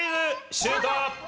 シュート！